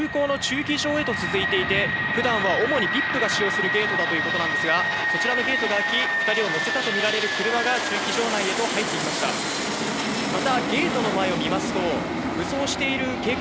あちらのゲートは空港の中継場へと続いていて、普段は主にＶＩＰが使用するゲートだということですが、そちらのゲートが開き、２人を乗せたとみられる車が駐機場内へと入ってきました。